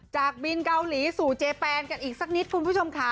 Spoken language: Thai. จากบินเกาหลีสู่เจแปนกันอีกสักนิดคุณผู้ชมค่ะ